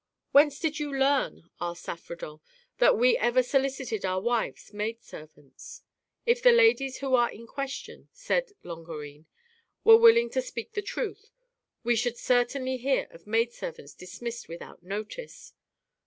" Whence did you learn," asked Saffredent, " that we ever solicited our wives' maid servants ?"" If the ladies who are in question," said Longarine, "were willing to speak the truth, we should certainly hear of maid servants dismissed without notice."